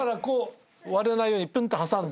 割れないように挟んで。